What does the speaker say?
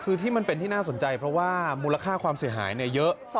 คือที่มันเป็นที่น่าสนใจเพราะว่ามูลค่าความเสียหายเยอะ